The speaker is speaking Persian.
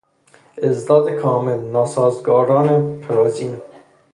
اضداد کامل، ناسازگاران پرازین